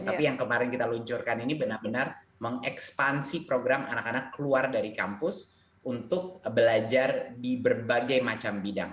tapi yang kemarin kita luncurkan ini benar benar mengekspansi program anak anak keluar dari kampus untuk belajar di berbagai macam bidang